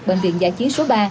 bệnh viện giải chiến số ba